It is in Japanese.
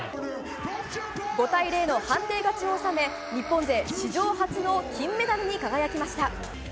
５対０の判定勝ちを収め日本勢史上初の金メダルに輝きました。